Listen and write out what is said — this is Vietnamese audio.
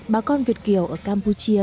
bà con việt kiều ở campuchia